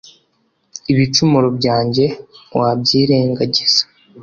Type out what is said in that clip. ibicumuro byanjye wabyirengagiza